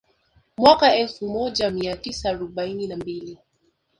Mwaka elfu moja mia tisa arobaini na mbili